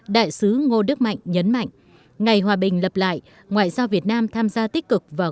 đại sứ ngô đức mạnh nhấn mạnh ngày hòa bình lập lại ngoại giao việt nam tham gia tích cực vào